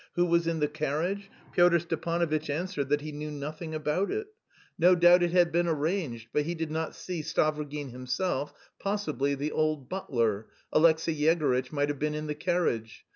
Who was in the carriage? Pyotr Stepanovitch answered that he knew nothing about it; no doubt it had been arranged, but that he did not see Stavrogin himself; possibly the old butler, Alexey Yegorytch, might have been in the carriage.